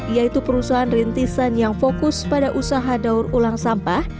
yaitu perusahaan rintisan yang fokus pada usaha daur ulang sampah